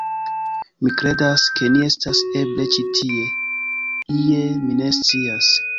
Mi kredas, ke ni estas eble ĉi tie ie... mi ne scias...